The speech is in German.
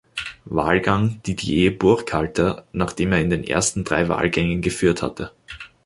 Wahlgang Didier Burkhalter, nachdem er in den ersten drei Wahlgängen geführt hatte.